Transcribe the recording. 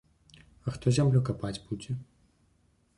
А хто зямлю капаць будзе?